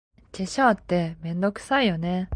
化粧って、めんどくさいよね。